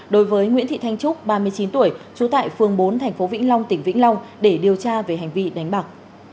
đối với nguyễn thị thanh trúc ba mươi chín tuổi trú tại phường bốn tp vĩnh long tỉnh vĩnh long để điều tra về hành vi đánh bạc